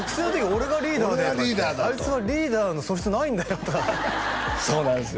「俺がリーダーだ」と「あいつはリーダーの素質ないんだよ」とかそうなんですよ